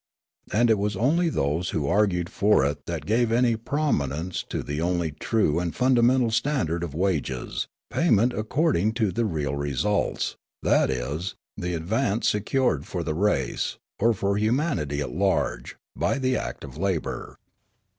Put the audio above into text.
And it was only those who argued for it that gave any prominence 1 62 Riallaro to the only true and fundamental standard of wages — payment according to the real results, that is, the ad vance secured for the race, or for humanity at large, by the act of labour.